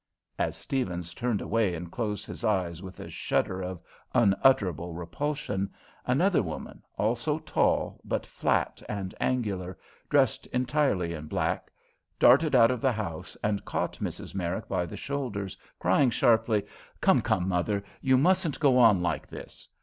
As Steavens turned away and closed his eyes with a shudder of unutterable repulsion, another woman, also tall, but flat and angular, dressed entirely in black, darted out of the house and caught Mrs. Merrick by the shoulders, crying sharply: "Come, come, mother; you mustn't go on like this!"